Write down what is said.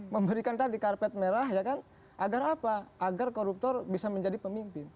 memberikan tadi karpet merah ya kan agar apa agar koruptor bisa menjadi pemimpin